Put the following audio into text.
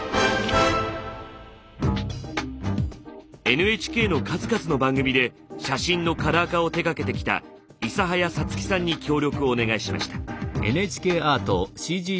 ＮＨＫの数々の番組で写真のカラー化を手がけてきた伊佐早さつきさんに協力をお願いしました。